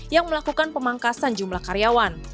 yang melakukan pemangkasan jumlah karyawan